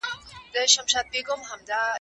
د څېړنې ميتود باید علمي وي.